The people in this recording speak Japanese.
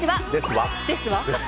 ですわ。